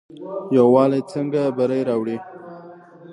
یووالی څنګه بری راوړي؟